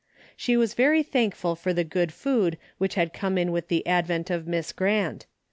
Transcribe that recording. She Avas very thankful for the good food Avhich had come in with the advent of Miss Grant.